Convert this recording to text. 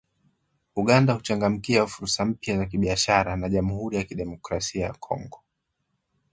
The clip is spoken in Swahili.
Uganda huchangamkia fursa mpya za kibiashara na Jamhuri ya Kidemokrasia ya Kongo